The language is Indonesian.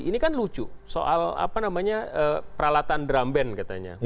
ini kan lucu soal apa namanya peralatan drum band katanya